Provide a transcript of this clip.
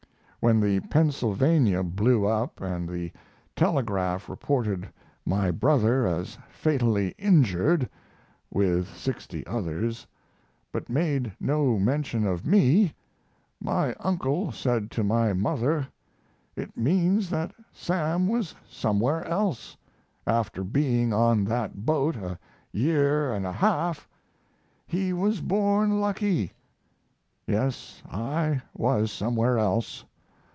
When the Pennsylvania blew up and the telegraph reported my brother as fatally injured (with 60 others) but made no mention of me, my uncle said to my mother "it means that Sam was somewhere else, after being on that boat a year and a half he was born lucky." Yes, I was somewhere else.